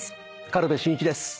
軽部真一です。